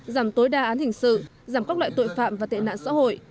giảm tối đa án hình sự giảm các loại tội phạm và tệ nạn xã hội